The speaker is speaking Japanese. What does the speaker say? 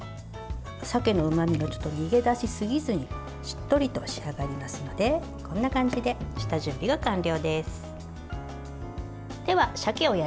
鮭のうまみが逃げ出しすぎずにしっとりと仕上がりますのでこんな感じで下準備は完了です。